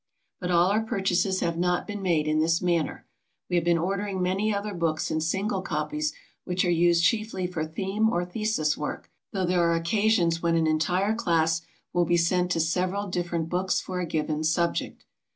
But all our purchases have not been made in this manner. We have been ordering many other books in single copies which are used chiefly for theme or thesis work, though there are occasions when an entire class will be sent to several different books for a given subject.